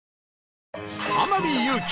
天海祐希